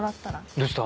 どうした？